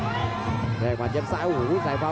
พยายามจะไถ่หน้านี่ครับการต้องเตือนเลยครับ